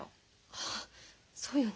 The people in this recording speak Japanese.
ああそうよね。